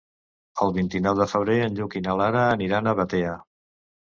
El vint-i-nou de febrer en Lluc i na Lara aniran a Batea.